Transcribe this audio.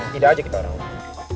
tidak aja kita rawat